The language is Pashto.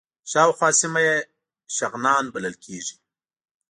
شاوخوا سیمه یې شغنان بلل کېږي.